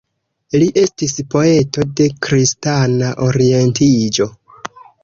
Li estis poeto de kristana orientiĝo.